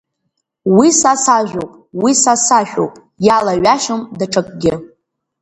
Уи са сажәоуп, уи са сашәоуп, иалаҩашьом даҽакгьы.